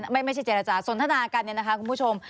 ไม่ใช่เจรจาสนทนากันเนี่ยนะคะคุณผู้ชม